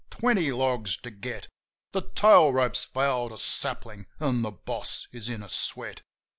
Twenty logs to get! The tail rope's fouled a saplin' an' the boss is in a sweat.